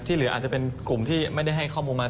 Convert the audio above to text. หรืออาจจะเป็นกลุ่มที่ไม่ได้ให้ข้อมูลมา